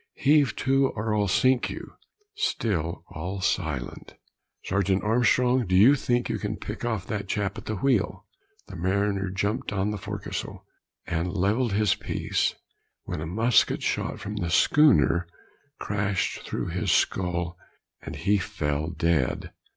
"Heave to, or I'll sink you." Still all silent. "Serjeant Armstrong, do you think you can pick off that chap at the wheel?" The mariner jumped on the forecastle, and levelled his piece, when a musket shot from the schooner crushed through his skull, and he fell dead.